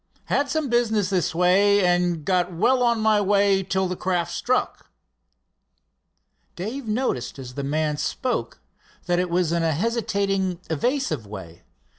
Had some business this way, and got well on my way till the craft struck." Dave noticed as the man spoke that it was in a hesitating, evasive way.